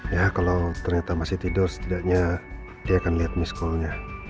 ya kalau ternyata masih tidur setidaknya dia akan lihat miss call nya